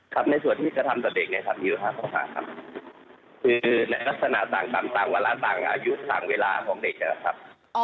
ครับในส่วนกับพวกข้อหาที่กระทำต่อเด็กครับ